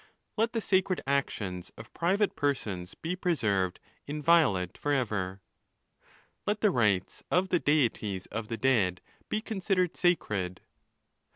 Let the sacred actions of private per sons be preserved inviolate for ever. Let the rights of the Deities of the dead be considered sacred.